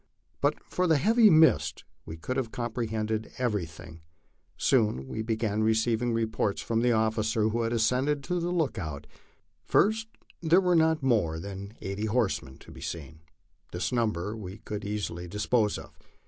But for the heavy mist we could have comprehended everything. Soon we began receiving reports from the officer who had ascended the lookout. First, there were not more than eighty horsemen to be seen. This number we could easily dispose of.